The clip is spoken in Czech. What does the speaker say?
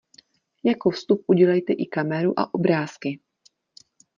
Jako vstup udělejte i kameru a obrázky.